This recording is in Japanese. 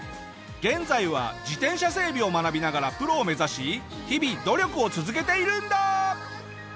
現在は自転車整備を学びながらプロを目指し日々努力を続けているんだ！